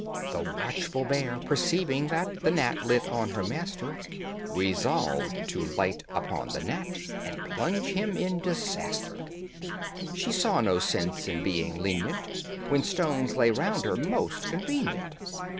The watchful bear, perceiving that The gnat lit on her master, Resolved to light upon the gnat And plunge him in disaster; She saw no sense in being lenient When stones lay round her, most convenient.